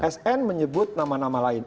sn menyebut nama nama lain